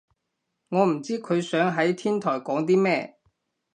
我唔知佢想喺天台講啲咩